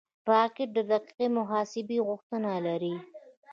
راکټ د دقیقې محاسبې غوښتنه لري